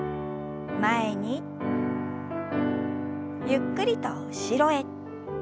ゆっくりと後ろへ。